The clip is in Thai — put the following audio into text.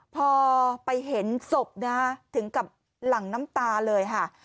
พอไปเห็นศพนะฮะถึงกับหลั่งน้ำตาเลยค่ะ